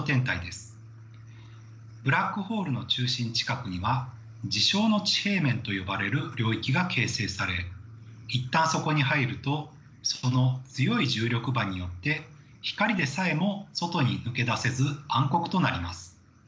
ブラックホールの中心近くには事象の地平面と呼ばれる領域が形成され一旦そこに入るとその強い重力場によって光でさえも外に抜け出せず暗黒となります。